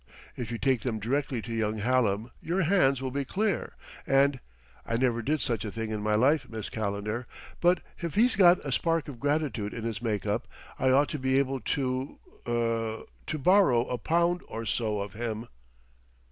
If you take them directly to young Hallam, your hands will be clear.... And I never did such a thing in my life, Miss Calendar; but if he's got a spark of gratitude in his make up, I ought to be able to er to borrow a pound or so of him."